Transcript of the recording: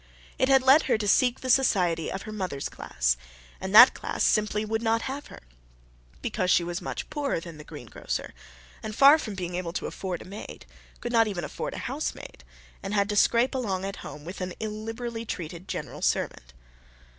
It had led her to seek the society of her mother's class; and that class simply would not have her, because she was much poorer than the greengrocer, and, far from being able to afford a maid, could not afford even a housemaid, and had to scrape along at home with an illiberally treated general servant.